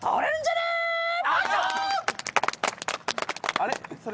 あれ？